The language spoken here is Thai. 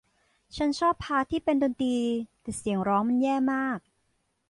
ฉันชอบพาร์ทที่เป็นดนตรีแต่เสียงร้องมันแย่มาก